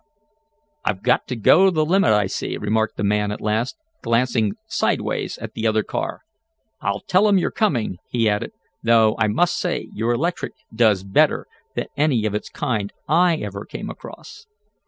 "I've got to go the limit I see," remarked the man at last, glancing sideways at the other car. "I'll tell 'em you're coming," he added, "though I must say your electric does better than any of its kind I ever came across."